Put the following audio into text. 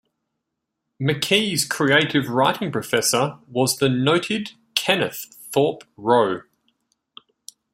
McKee's creative writing professor was the noted Kenneth Thorpe Rowe.